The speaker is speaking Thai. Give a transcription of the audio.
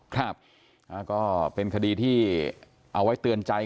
ครับก็เป็นคดีที่เอาไว้เตือนใจ